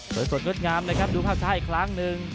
โดยสดงดงามนะครับดูภาพช้าอีกครั้งหนึ่ง